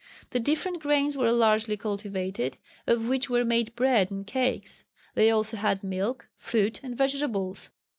The different grains were largely cultivated, of which were made bread and cakes. They also had milk, fruit and vegetables.